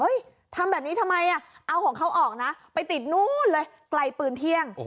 ทำแบบนี้ทำไมเอาของเขาออกนะไปติดนู่นเลยไกลปืนเที่ยง